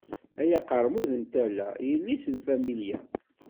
Ay aqermud n tala, yelli-s n familya.